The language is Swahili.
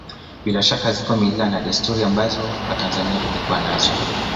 Bila shaka zipo mila na desturi nzuri ambazo watanzania tulikuwa nazo